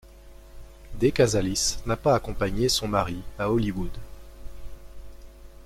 De Casalis n'a pas accompagné son mari à Hollywood.